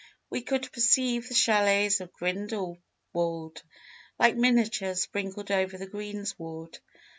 We could perceive the châlets of Grindelwald, like miniatures sprinkled over the greensward.